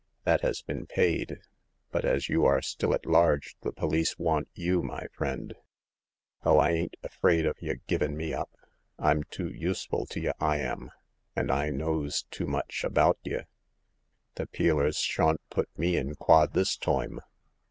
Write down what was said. That has been paid, but as you are still at large, the police want you, my friend !"" Oh, I ain't afraid of y' givin' me up ; I'mtoo useful t'y', I am, and I knows too much ^bovit^ 202 Hagar of the Pawn Shop. The pealers shawn't put me in quod this toime.